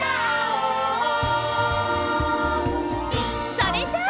それじゃあ！